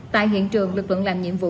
tại hiện trường lực lượng làm nhiệm vụ